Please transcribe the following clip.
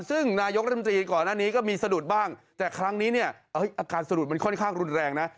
ซึ่งนายกรัฐมนตรีก่อนหน้านี้ก็มีสะดุดบ้างแต่ครั้งนี้เนี่ยอาการสะดุดมันค่อนข้างรุนแรงนะ